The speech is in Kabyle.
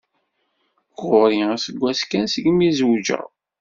Ɣur-i aseggas kan segmi zewǧeɣ.